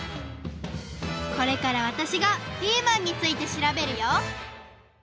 これからわたしがピーマンについてしらべるよ！